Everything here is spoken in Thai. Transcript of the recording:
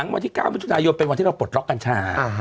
วิทยุนายนเป็นวันที่เราปลดล็อกกัญชา